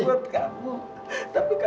cita itu enggak meninggal